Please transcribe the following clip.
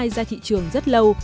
ra thị trường rất lâu